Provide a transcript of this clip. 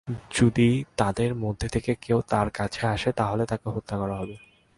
যদি তাদের মধ্য থেকে কেউ তাঁর কাছে আসে তাহলে তাকে হত্যা করা হবে।